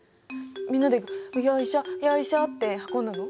みんなでよいしょよいしょって運んだの？